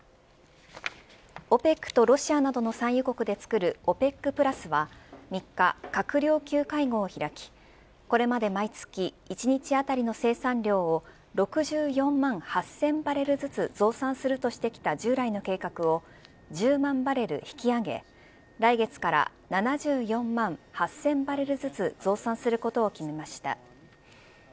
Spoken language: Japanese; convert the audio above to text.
ＯＰＥＣとロシアなどの産油国でつくる閣僚会合を開き、これまで毎月１日当たりの生産量を６４万８０００バレルずつ増産するとしてきた従来の計画を１０万バレル、引き上げ来月から７４万８０００バレルずつ増産することを決めました。